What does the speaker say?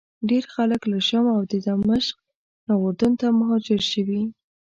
ډېر خلک له شام او دمشق نه اردن ته مهاجر شوي.